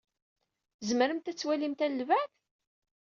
Tzemremt ad twalimt ɣer lbeɛd?